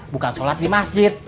bukan sholat di masjid